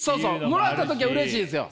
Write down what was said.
もらった時はうれしいんですよ！